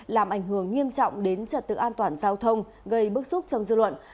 làm ảnh hưởng nghiêm trọng đến trật tự an toàn giao thông gây bức xúc trong dư luận